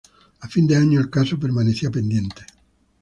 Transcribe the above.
A fin de año, el caso permanecía pendiente.